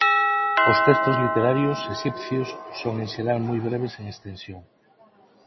Os textos literarios exipcios son en xeral moi breves en extensión.